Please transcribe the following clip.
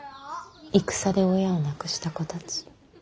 戦で親を亡くした子たち。